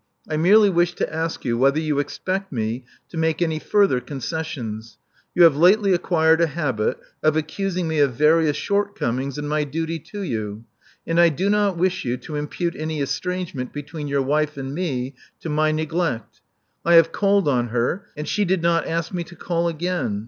I merely wish to ask you whether you expect me to make any further concessions. You have lately acquired a habit of accusing me of various shortcomings in my duty to you; and I do not wish you to impute any estrangement between your wife and me to my neglect. I have called on her; and she did not ask me to call again.